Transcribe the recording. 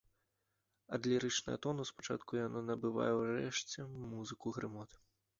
Ад лірычнага тону спачатку яно набывае ўрэшце музыку грымот.